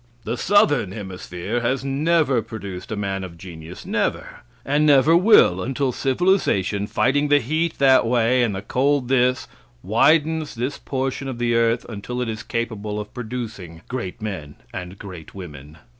The southern hemisphere has never produced a man of genius, never; and never will until civilization, fighting the heat that way and the cold this, widens this portion of the earth until it is capable of producing great men and great women.